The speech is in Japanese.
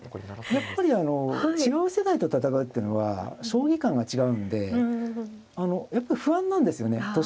やっぱり違う世代と戦うってのは将棋観が違うんでやっぱり不安なんですよね年上の方が。